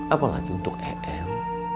apalagi untuk em